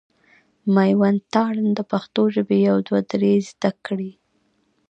مېوند تارڼ د پښتو ژبي يو دوه درې زده کړي.